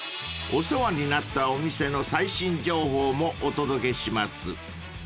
［お世話になったお店の最新情報もお届けします］